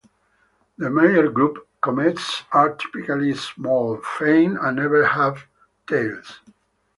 The Meyer group comets are typically small, faint, and never have tails.